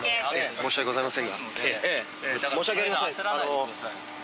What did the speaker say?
申し訳ございません。